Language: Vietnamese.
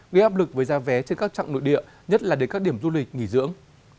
gây áp lực với giá vé trên các trạng nội địa nhất là đến các điểm du lịch nghỉ dưỡng